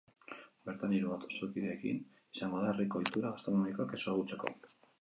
Bertan, hiru auzokiderekin izango da herriko ohitura gastronomikoak ezagutzeko.